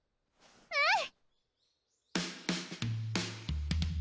うん！